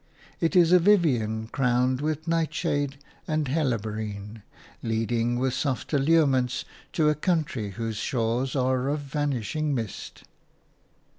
It is a Vivian crowned with nightshade and helleborine, leading with soft allurements to a country whose shores are of vanishing mist.